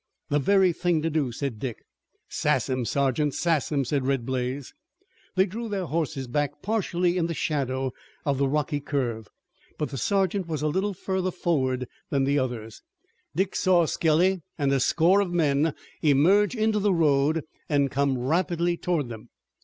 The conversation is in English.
"The very thing to do," said Dick. "Sass 'em, sergeant! Sass 'em!" said Red Blaze. They drew their horses back partially in the shadow of the rocky curve, but the sergeant was a little further forward than the others. Dick saw Skelly and a score of men emerge into the road and come rapidly toward them.